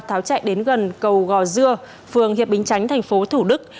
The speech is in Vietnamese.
tháo chạy đến gần cầu gò dưa phường hiệp bình chánh tp thủ đức